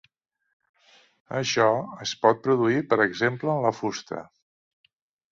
Això es pot produir per exemple en la fusta.